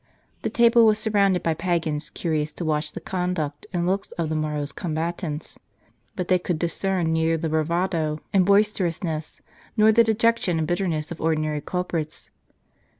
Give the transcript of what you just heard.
The table was surrounded by pagans, curious to watch the con duct and looks of the morrow's combatants. But they could discern neither the bravado and boisterousness, nor the dejection and bitterness of ordinary culprits.